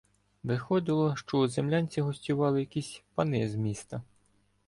Виходило, що у землянці гостювали якісь "пани з міста".